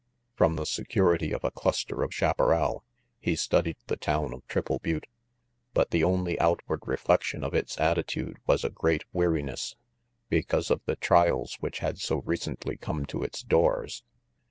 From the security of a cluster of chaparral he studied the town of Triple Butte, but the only outward reflection of its attitude was a great weari ness because of the trials which had so recently come to its doors.